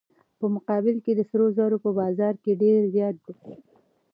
په مقابل کې سره زر په بازار کې ډیر زیات دي.